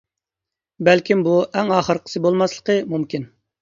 بەلكىم بۇ ئەڭ ئاخىرقىسى بولماسلىقى مۇمكىن.